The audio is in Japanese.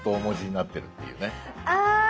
あ！